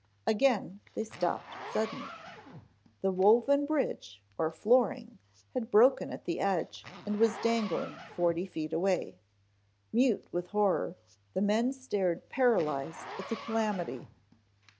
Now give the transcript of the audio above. Again they stopped suddenly. The woven bridge, or flooring had broken at the edge and was dangling forty feet away. Mute with horror, the men stared paralyzed at the calamity.